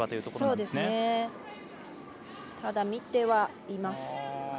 ただ、見てはいます。